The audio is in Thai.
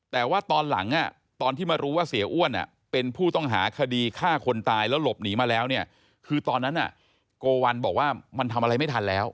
แต่ว่าตอนหลังตอนที่มารู้ว่าเสียอ้วนเป็นผู้ต้องหาคดีฆ่าคนตายแล้วหลบหนีมาแล้วเนี่ยคือตอนนั้นโกวัลบอกว่ามันทำอะไรไม่ทันแล้ว